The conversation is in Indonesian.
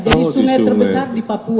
jadi sungai terbesar di papua